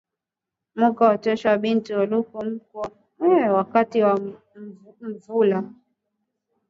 Muka oteshe tu ma bintu tuloko mu wakati ya nvula.